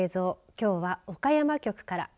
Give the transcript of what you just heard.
きょうは、岡山局から。